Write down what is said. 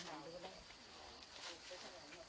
จากฝั่งภูมิธรรมฝั่งภูมิธรรม